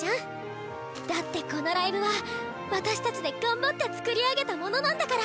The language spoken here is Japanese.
だってこのライブは私たちで頑張ってつくり上げたものなんだから！